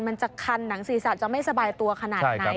มันจะคันหนังศีรษะจะไม่สบายตัวขนาดไหน